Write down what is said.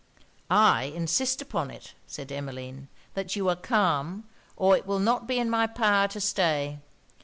'I insist upon it,' said Emmeline, 'that you are calm, or it will not be in my power to stay.